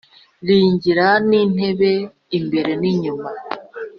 Rigira n’intebe imbere n’inyuma